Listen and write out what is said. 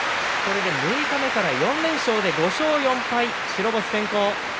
六日目から４連勝５勝４敗、白星先行。